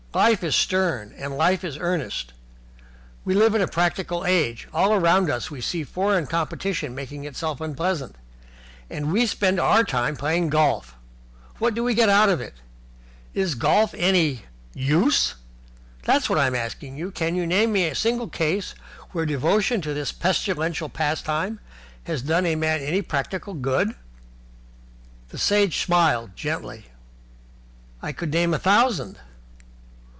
Life is stern and life is earnest. We live in a practical age. All round us we see foreign competition making itself unpleasant. And we spend our time playing golf! What do we get out of it? Is golf any use? That's what I'm asking you. Can you name me a single case where devotion to this pestilential pastime has done a man any practical good?" The Sage smiled gently. "I could name a thousand."